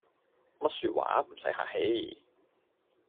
乜說話，唔洗客氣